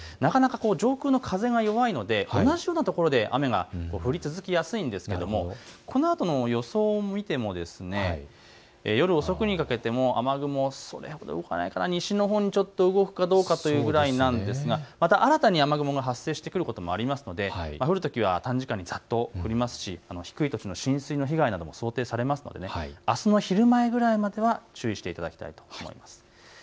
上空の風が弱いので同じような所で雨が降り続きやすいんですけれどもこのあとの予想も見ても夜遅くにかけても雨雲、それほど動かないかな西のほうにちょっと動くかどうかということなんですが新たに雨雲が発生してくることもありますので降るときは短時間にざっと降りますし低い土地の浸水の被害なども想定されますので、あすの昼前ぐらいまでは注意していただきたいと思います。